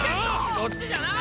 そっちじゃない！